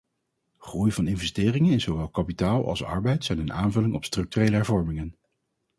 Groei van investeringen in zowel kapitaal als arbeid zijn een aanvulling op structurele hervormingen.